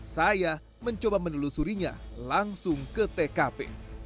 saya mencoba menelusurinya langsung ke tkp